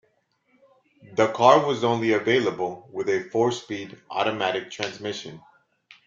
The car was only available with a four speed automatic transmission.